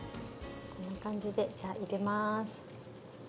こんな感じでじゃあ入れます。